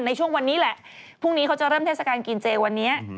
ในช่วงวันนี้แหละพรุ่งนี้เขาจะเริ่มเทศกาลกินเจวันนี้